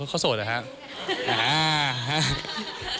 เขาโสดเหรอครับ